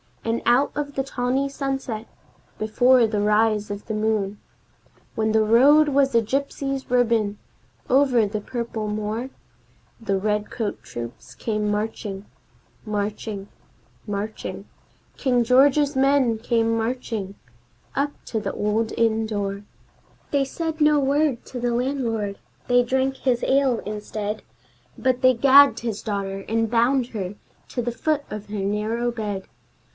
And out of the tawny sunset, before the rise of the moon, When the road was a gypsy's ribbon over the purple moor, The redcoat troops came marching Marching marching King George's men came marching, up to the old inn door. They said no word to the landlord; they drank his ale instead, But they gagged his daughter and bound her to the foot of her narrow bed.